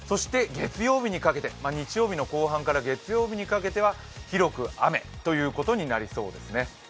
そして日曜日の後半から月曜日にかけて、広く雨ということになりそうですね。